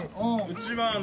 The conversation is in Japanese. うちは。